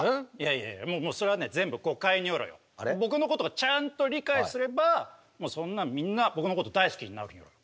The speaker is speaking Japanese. いやいやもうそれはね僕のことがちゃんと理解すればそんなみんな僕のこと大好きになるニョロよ。